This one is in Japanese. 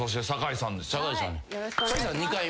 酒井さん